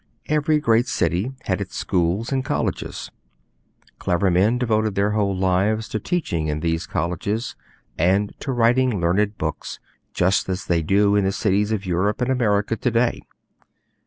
Every great city had its schools and colleges. Clever men devoted their whole lives to teaching in these colleges and to writing learned books, just as they do in the cities of Europe and America to day.